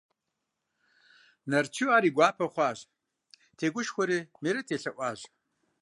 Нарчу ар и гуапэ хъуащ, тегушхуэри Мерэт елъэӀуащ.